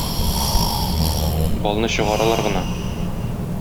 Балны чыгаралар гына.